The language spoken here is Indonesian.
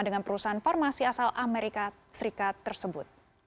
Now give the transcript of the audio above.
dengan perusahaan farmasi asal amerika serikat tersebut